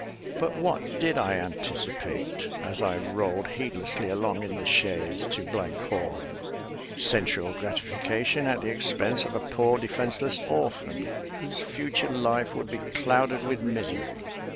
But what did I anticipate, as I rolled heedlessly along in the chaise to Hall? Sensual gratification at the expense of a poor defenceless orphan, whose future life would be clouded with misery.